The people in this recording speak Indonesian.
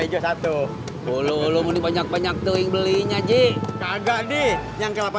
hijau satu lu mending banyak banyak tuh yang belinya ji kagak nih yang kelapa